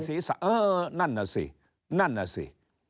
ได้รางวัลคนดีสีสาวนั่นน่ะสิ